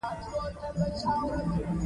له ځنډ وروسته د کابل منډوي د سړکونو